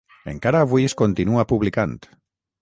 Encara avui es continua publicant.